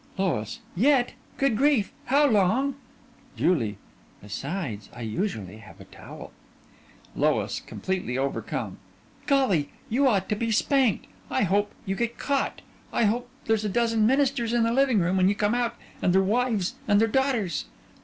LOIS: Yet! Good grief! How long JULIE: Besides, I usually have a towel. LOIS: (Completely overcome) Golly! You ought to be spanked. I hope you get caught. I hope there's a dozen ministers in the living room when you come out and their wives, and their daughters.